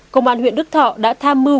công an huyện đức thọ đã tham mưu